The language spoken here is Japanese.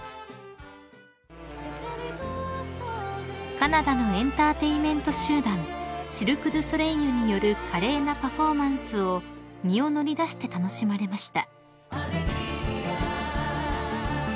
［カナダのエンターテインメント集団シルク・ドゥ・ソレイユによる華麗なパフォーマンスを身を乗り出して楽しまれました］